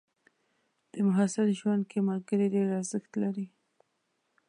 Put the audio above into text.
د محصل ژوند کې ملګري ډېر ارزښت لري.